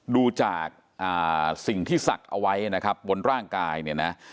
ดูจากสิ่งที่ศักดิ์เอาไว้นะครับบนร่างกายเนี่ยนะ